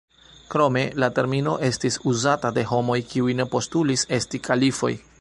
Krome, la termino estis uzata de homoj kiuj ne postulis esti kalifoj.